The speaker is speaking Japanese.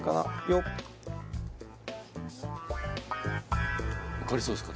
よっ分かりそうですか？